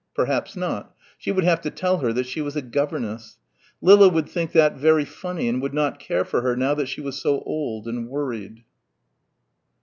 Perhaps not.... She would have to tell her that she was a governess. Lilla would think that very funny and would not care for her now that she was so old and worried....